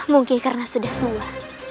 mungkin karena sudah tua